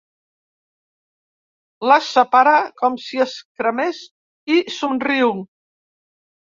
Les separa com si es cremés i somriu.